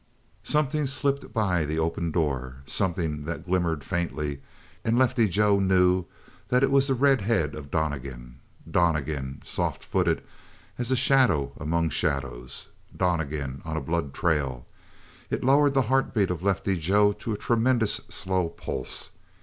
Something slipped by the open door something that glimmered faintly; and Lefty Joe knew that it was the red head of Donnegan. Donnegan, soft footed as a shadow among shadows. Donnegan on a blood trail. It lowered the heartbeat of Lefty Joe to a tremendous, slow pulse.